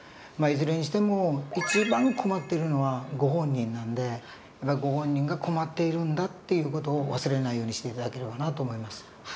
まあいずれにしても一番困っているのはご本人なんでやっぱりご本人が困っているんだっていう事を忘れないようにして頂ければなと思います。